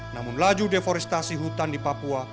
namun laju deforestasi hutan di papua